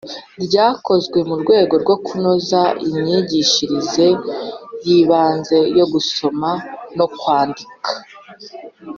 ryakozwe mu rwego rwo kunoza imyigishirize y’ibanze yo gusoma no kwandika.